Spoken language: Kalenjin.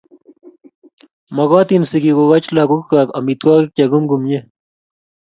Mogotin sigik kokoch lagokwai amitwogik che kumkum ye h